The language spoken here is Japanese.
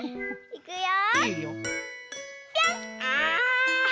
いくよ！